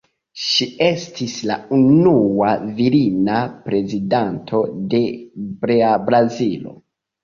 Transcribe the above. Ŝi estis la unua virina Prezidanto de Brazilo.